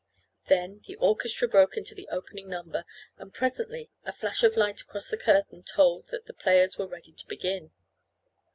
Then the orchestra broke into the opening number, and presently a flash of light across the curtain told that the players were ready to begin.